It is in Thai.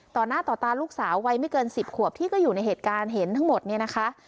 ต่อหน้าต่อตาลูกสาววัยไม่เกิน๑๐ขวบที่ก็อยู่ในเหตุการณ์เห็นทั้งหมดเนี่ยนะคะ